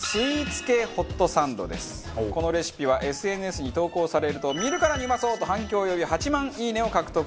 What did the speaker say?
このレシピはＳＮＳに投稿されると「見るからにうまそう！」と反響を呼び８万「いいね」を獲得。